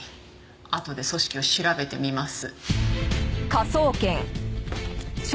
あとで組織を調べてみます。